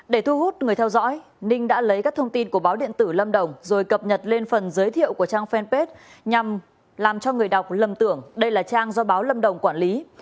để thu hút người theo dõi ninh đã lấy các thông tin của báo điện tử lâm đồng rồi cập nhật lên phần giới thiệu của trang fanpage nhằm làm cho người đọc lầm tưởng đây là trang do báo lâm đồng quản lý